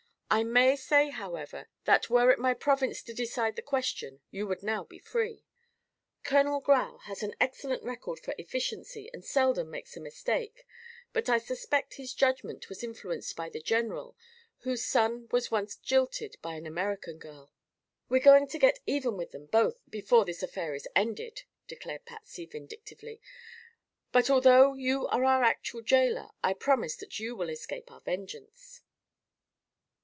I may say, however, that were it my province to decide the question, you would now be free. Colonel Grau has an excellent record for efficiency and seldom makes a mistake, but I suspect his judgment was influenced by the general, whose son was once jilted by an American girl." "We're going to get even with them both, before this affair is ended," declared Patsy, vindictively; "but although you are our actual jailer I promise that you will escape our vengeance."